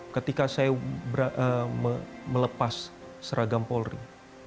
ketika saya melepas seragam polri